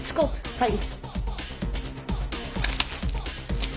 はい。